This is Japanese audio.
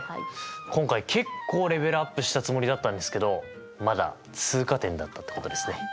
今回結構レベルアップしたつもりだったんですけどまだ通過点だったってことですね。